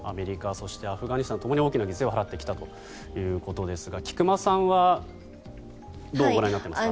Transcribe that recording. そしてアフガニスタンともに大きな犠牲を払ってきたということですが菊間さんはどうご覧になっていますか？